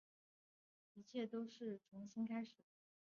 一切都像是重新开始